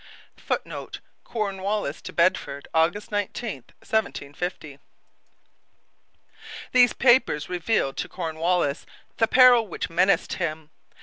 [Footnote: Cornwallis to Bedford, August 19, 1750.] These papers revealed to Cornwallis the peril which menaced him.